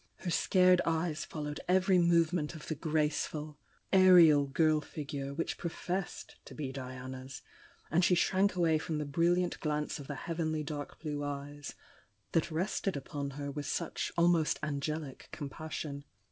Her scared eyes followed every movement of the graceful, aerial girl figure which professed to be Diana's, and she shrank away from the brilliant glance of the heavenly dark blue eyes that rested upon her with such almost angeUc compassion.